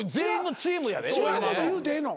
違うこと言うてええの？